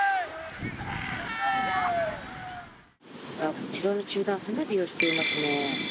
こちらの集団花火をしていますね。